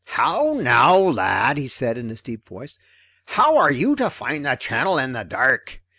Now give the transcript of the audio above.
"How now, lad," he said in his deep voice, "how are you to find the channel in the dark?"